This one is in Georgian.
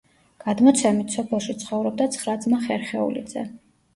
გადმოცემით, სოფელში ცხოვრობდა ცხრა ძმა ხერხეულიძე.